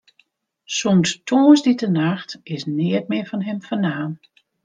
Sûnt tongersdeitenacht is neat mear fan him fernaam.